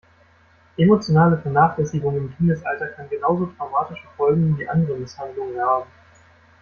Emotionale Vernachlässigung im Kindesalter kann genauso traumatische Folgen wie andere Misshandlungen haben.